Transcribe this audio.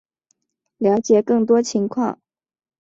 了解更多情况